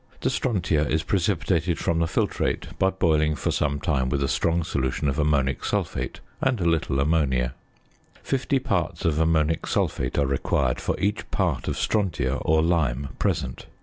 The strontia is precipitated from the filtrate by boiling for some time with a strong solution of ammonic sulphate and a little ammonia. Fifty parts of ammonic sulphate are required for each part of strontia or lime present.